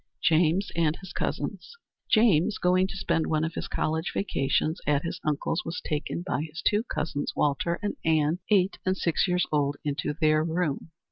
James and his Cousins. James, going to spend one of his college vacations at his uncle's, was taken by his two cousins, Walter and Ann eight and six years old into their room.